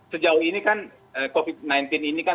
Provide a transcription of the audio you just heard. sejauh ini kan covid sembilan belas ini kan